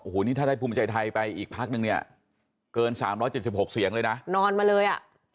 โอ้โหนี่ถ้าได้ภูมิใจไทยไปอีกพักนึงเนี่ยเกิน๓๗๖เสียงเลยนะนอนมาเลยอ่ะ